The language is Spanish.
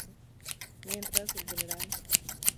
Mientras el Gral.